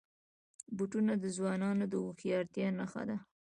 بوټونه د ځوانانو د هوښیارتیا نښه ده.